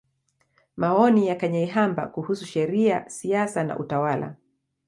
Maoni ya Kanyeihamba kuhusu Sheria, Siasa na Utawala.